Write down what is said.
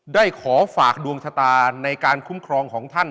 ได้ขอฝากดวงชะตาในการคุ้มครองของท่าน